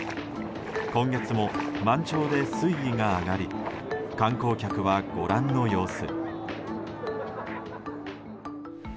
今月も満潮で水位が上がり観光客はご覧のようす。